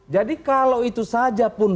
jadi kalau itu saja pun